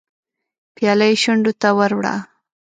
پياله يې شونډو ته ور وړه.